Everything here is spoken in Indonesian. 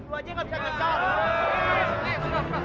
lu aja gak bisa ngecor